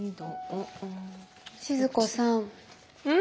静子さん。